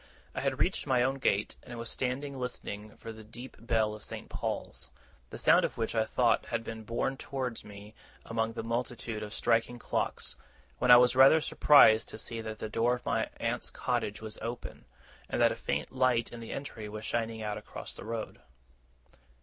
I had reached my own gate, and was standing listening for the deep bell of St. Paul's, the sound of which I thought had been borne towards me among the multitude of striking clocks, when I was rather surprised to see that the door of my aunt's cottage was open, and that a faint light in the entry was shining out across the road.